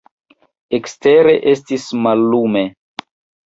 Ekstere estis mallume.